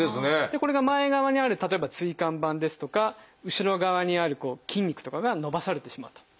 これが前側にある例えば椎間板ですとか後ろ側にある筋肉とかが伸ばされてしまうと。